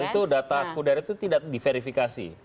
dan itu data sekunder itu tidak diverifikasi